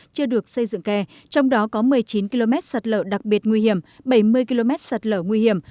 chưa được xây dựng kè trong đó có một mươi chín km sạt lở đặc biệt nguy hiểm bảy mươi km sạt lở nguy hiểm